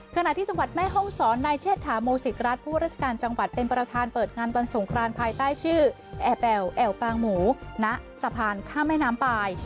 ขณะที่จังหวัดแม่ห้องศรนายเชษฐาโมศิกรัฐผู้ราชการจังหวัดเป็นประธานเปิดงานวันสงครานภายใต้ชื่อแอร์แบลแอวปางหมูณสะพานข้ามแม่น้ำปลาย